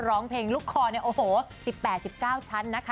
ร้องเพลงลูกคอเนี่ยโอ้โห๑๘๑๙ชั้นนะคะ